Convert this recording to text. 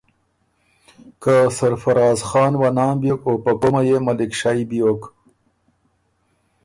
که سرفرازخان وه نام بیوک، او په قومه يې ملِکشئ بیوک۔